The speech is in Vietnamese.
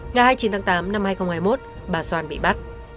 ngày hai mươi chín tháng tám năm hai nghìn hai mươi một bà xoan bị bắt